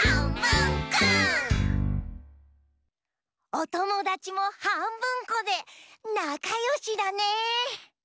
おともだちもはんぶんこでなかよしだね。